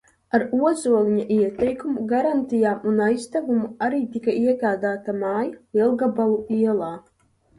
Ar Ozoliņa ieteikumu, garantijām un aizdevumu arī tika iegādāta māja Lielgabalu ielā.